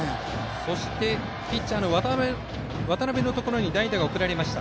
そしてピッチャー、渡邉のところで代打が送られました。